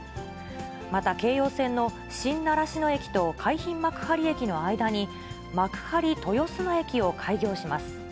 また京葉線の新習志野駅と海浜幕張駅の間に、幕張豊砂駅を開業します。